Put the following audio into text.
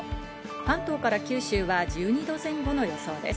関東から九州は１２度前後の予想です。